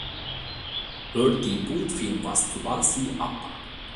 Her debut film was Tulasi Apa.